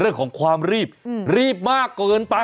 เรื่องของความรีบรีบมากเกินไป